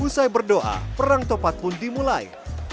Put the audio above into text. usai berdoa perang topat pun dimulai